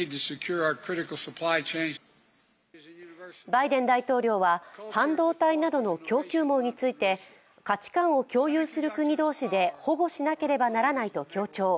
バイデン大統領は、半導体などの供給網について価値観を共有する国同士で保護しなければならないと強調。